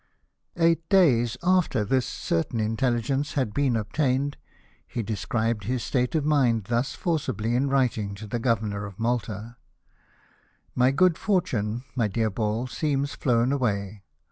Eight days after this certain intelligence had been obtained, he describes his state of mind thus forcibly in ^vriting to the Governor of Malta: "My good fortune, my dear Ball, seems flown away.